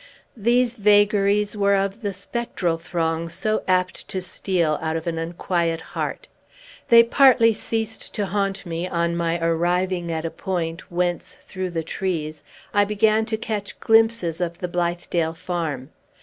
These vagaries were of the spectral throng so apt to steal out of an unquiet heart. They partly ceased to haunt me, on my arriving at a point whence, through the trees, I began to catch glimpses of the Blithedale farm.